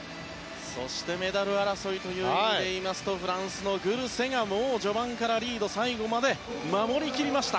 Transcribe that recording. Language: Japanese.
そしてメダル争いという意味でいいますとフランスのグルセがもう序盤からリード最後まで守り切りました。